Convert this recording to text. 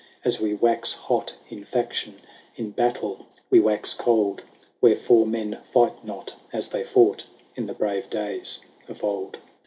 As we wax hot in faction, In battle we wax cold : Wherefore men fight not as they fought In the brave days of old.